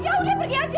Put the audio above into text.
ya udah pergi aja